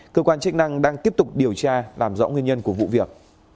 cơ quan chức năng đang tiếp tục điều tra làm rõ nguyên nhân của vụ việc